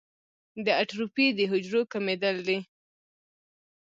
د اټروفي د حجرو کمېدل دي.